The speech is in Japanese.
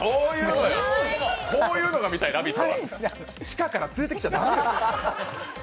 こういうのが見たい、「ラヴィット！」は地下から連れてきちゃ駄目。